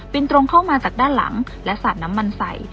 ตรงเข้ามาจากด้านหลังและสาดน้ำมันใส่